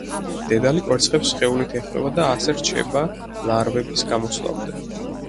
დედალი კვერცხებს სხეულით ეხვევა და ასე რჩება ლარვების გამოსვლამდე.